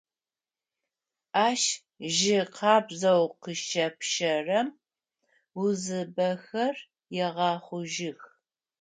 Ащ жьы къабзэу къыщэпщэрэм узыбэхэр егъэхъужьых.